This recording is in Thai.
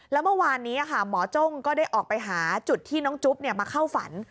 แล้วเมื่อวานนี้หมอจ้งก็ได้ออกไปหาจุดที่น้องจุ๊บมาเข้าฝัน